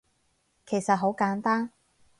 其實好簡單